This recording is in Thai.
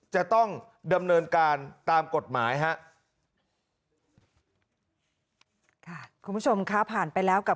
จะต้องดำเนินการตามกฎหมายครับ